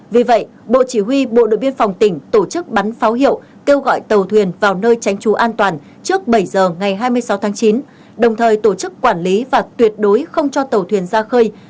vì vậy bộ chỉ huy bộ đội biên phòng tỉnh tổ chức bắn pháo hiệu kêu gọi tàu thuyền vào nơi tránh trú an toàn trước bảy giờ ngày hai mươi sáu tháng chín đồng thời tổ chức quản lý và tuyệt đối không cho tàu thuyền ra khơi